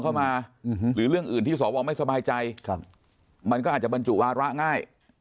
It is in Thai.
หรือเรื่องอื่นที่สวไม่สบายใจมันก็อาจจะบรรจุวาระง่าย